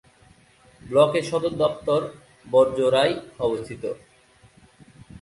ব্লকের সদর দফতর বড়জোড়ায় অবস্থিত।